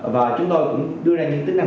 và chúng tôi cũng đưa ra những tính năng